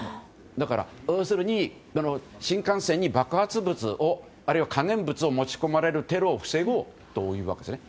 要するに新幹線に爆発物、あるいは可燃物を持ち込まれるテロを防ごうというわけですね。